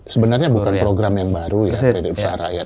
sebenarnya bukan program yang baru ya ktp usaha rakyat